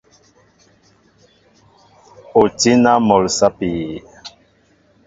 O tí na mol sapi?